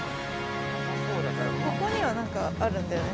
ここには何かあるんだよね。